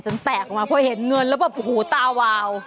แตกออกมาพอเห็นเงินแล้วแบบโอ้โหตาวาว